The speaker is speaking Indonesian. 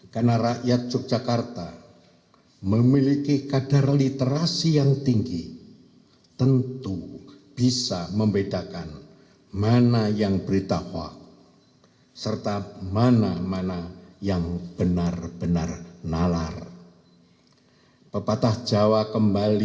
karena rakyat yogyakarta memiliki kadar literasi yang tinggi tentu bisa membedakan mana yang beritahu